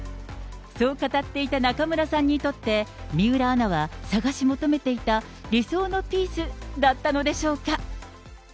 そう語っていた中村さんにとって、水卜アナは探し求めていた理想のピースだったのでしょうか。